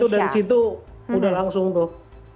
udah itu dari situ udah langsung tuh